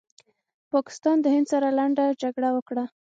پاکستان د هند سره لنډه جګړه وکړله